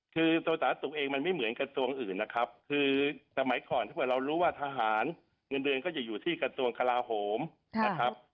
คือตัวสาธารณสุขเองมันไม่เหมือนกระทรวงอื่นนะครับคือสมัยก่อนถ้าเกิดเรารู้ว่าทหารเงินเดือนก็จะอยู่ที่กระทรวงกลาโหมนะครับ